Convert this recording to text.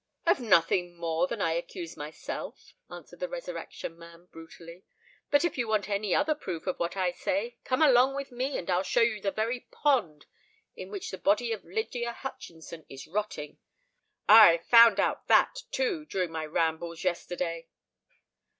"Of nothing more than I accuse myself," answered the Resurrection Man, brutally. "But if you want any other proof of what I say, come along with me, and I'll show you the very pond in which the body of Lydia Hutchinson is rotting. Ah! I found out that too, during my rambles yesterday!"